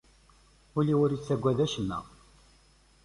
Ul-iw ur ittaggad acemma.